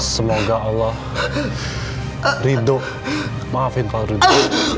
semoga allah ridho maafin pak rudy